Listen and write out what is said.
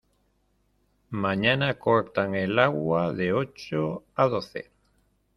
Mañana cortan el agua de ocho a doce.